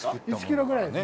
１キロぐらいです。